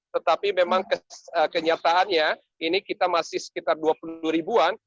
tetapi memang kenyataannya ini kita masih sekitar dua puluh ribuan